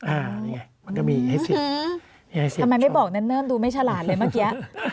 อันนี้ไงมันก็มีให้ซื้อทำไมไม่บอกเนิ่นดูไม่ฉลาดเลยเมื่อกี้